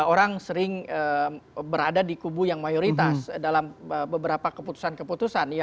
orang sering berada di kubu yang mayoritas dalam beberapa keputusan keputusan